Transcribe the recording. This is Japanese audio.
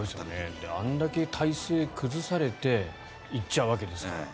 あれだけ体勢を崩されていっちゃうわけですから。